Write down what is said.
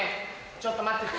ちょっと待ってて。